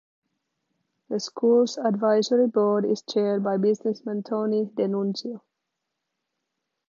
The school's advisory board is chaired by businessman Tony De Nunzio.